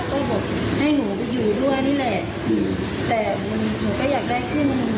ก็บอกให้หนูไปอยู่ด้วยนี่แหละแต่หนูก็อยากได้ขึ้น